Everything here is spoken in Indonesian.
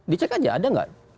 dicek aja ada nggak